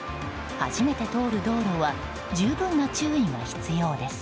初めて通る道路は十分な注意が必要です。